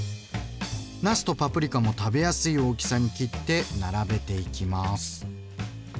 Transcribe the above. なすとパプリカも食べやすい大きさに切って並べていきます。